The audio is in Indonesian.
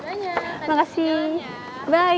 sampai jumpa di video lainnya